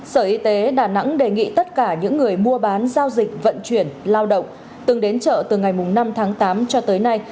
sở y tế đà nẵng đề nghị tất cả những người mua bán giao dịch vận chuyển lao động từng đến chợ từ ngày năm tháng tám cho tới nay khẩn trương liên hệ hoặc giao dịch